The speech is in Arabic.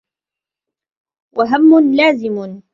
وَهَمٌّ لَازِمٌ